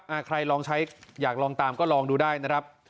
ใครลองใช้อยากลองตามก็ลองดูได้นะครับ